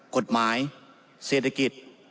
กฎหมายเศรษฐกิจ